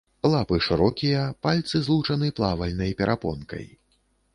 Лапы шырокія, пальцы злучаны плавальнай перапонкай.